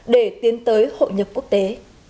để tiến tới hội nhập quốc tế